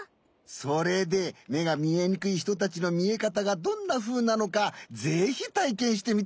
それでめがみえにくいひとたちのみえかたがどんなふうなのかぜひたいけんしてみておくれ！